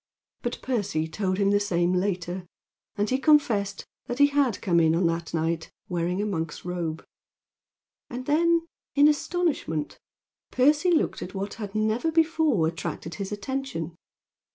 But Percy told him the same later, and he confessed that he had come in on that night wearing a monk's robe. And then in astonishment Percy looked at what had never before attracted his attention.